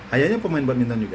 ayahnya pemain badminton juga